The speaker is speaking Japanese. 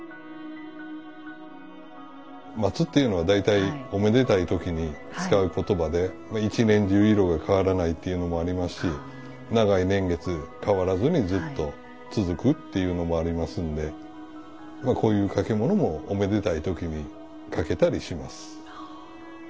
松っていうのは大体おめでたい時に使う言葉で一年中色が変わらないというのもありますし長い年月変わらずにずっと続くっていうのもありますんでこういう掛物もおめでたい時にかけたりします。